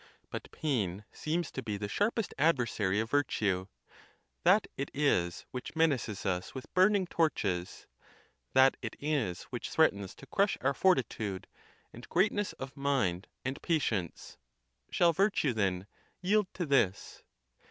But pain seems to be the sharpest adversary of virtue; that it is which menaces us with burning torches; that. it is which threatens to crush our fortitude, and greatness of mind, and patience. Shall virtue, then, yield to this?